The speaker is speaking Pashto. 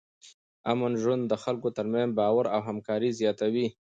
امن ژوند د خلکو ترمنځ باور او همکاري زیاتوي.